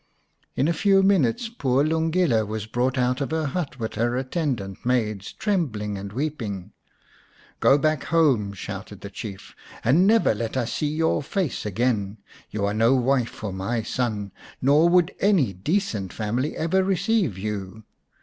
In a few minutes poor Lungile was brought out of her hut with her attendant maids, trembling and weeping. "Go back home," shouted the Chief, "and never let us see your face again. You are no wife for my son, nor would any decent family 216 xvin The Enchanted Buck ever receive you.